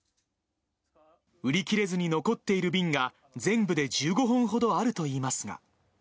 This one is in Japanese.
売り切れずに残っている瓶が、全部で１５本ほどあるといいます